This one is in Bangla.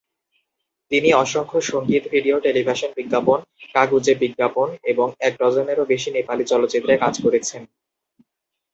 তিনি অসংখ্য সঙ্গীত-ভিডিও, টেলিভিশন বিজ্ঞাপন, কাগুজে বিজ্ঞাপন এবং এক ডজনেরও বেশি নেপালি চলচ্চিত্রে কাজ করেছেন।